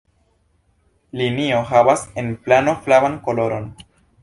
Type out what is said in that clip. Linio havas en plano flavan koloron.